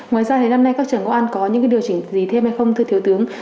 ngoài ra thì năm nay các trường công an có những điều chỉnh gì thêm hay không thưa thiếu tướng